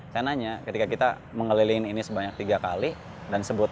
saya nanya ketika kita mengelilingi bangunan sekolah ini begitu kita bisa melihat sesuatu